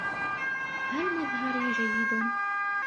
هل مظهري جيد؟